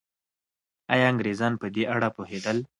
آیا انګریزان په دې اړه پوهېدل؟